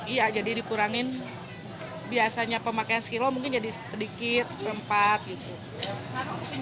iya jadi dikurangin biasanya pemakaian sekilo mungkin jadi sedikit seperempat gitu